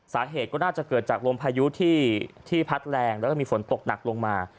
สาเหตุก็น่าจะเกิดจากลมพายุที่พัดแรงแล้วก็มีฝนตกหนักลงมา